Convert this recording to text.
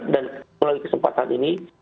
dan melalui kesempatan ini